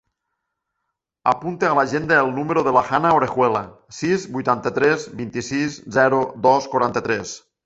Apunta a l'agenda el número de la Hanna Orejuela: sis, vuitanta-tres, vint-i-sis, zero, dos, quaranta-tres.